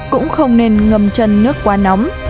cũng không nên ngâm chân nước quá nóng